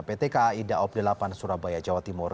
pt kai daob delapan surabaya jawa timur